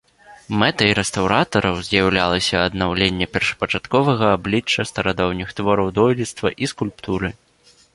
Мэтай рэстаўратараў з'яўлялася аднаўленне першапачатковага аблічча старадаўніх твораў дойлідства і скульптуры.